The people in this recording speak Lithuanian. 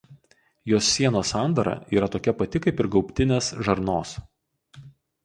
Jos sienos sandara yra tokia pati kaip ir gaubtinės žarnos.